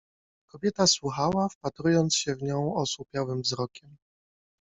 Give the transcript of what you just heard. Kobieta słuchała, wpatrując się w nią osłupiałym wzrokiem.